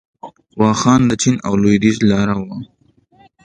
واخان د چین او لویدیځ لاره وه